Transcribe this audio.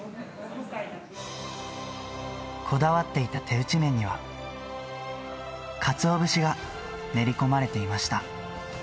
こだわっていた手打ち麺には、かつお節が練り込まれていました。